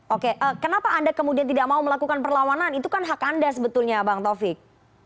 oke kenapa anda kemudian tidak mau melakukan perlawanan itu kan hak anda sebetulnya bang taufik